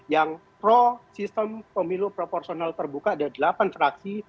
yang pro sistem pemilu proporsional terbuka ada delapan fraksi